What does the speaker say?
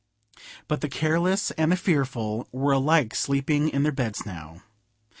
But the careless and the fearful were alike sleeping in their beds now.